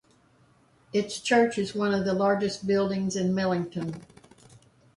Its church is one of the largest buildings in Millington.